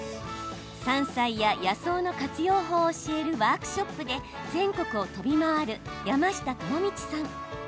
山菜や野草の活用法を教えるワークショップで全国を飛び回る山下智道さん。